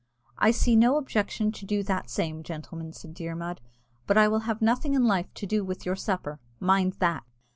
"I see no objection to do that same, gentlemen," said Dermod; "but I will have nothing in life to do with your supper mind that."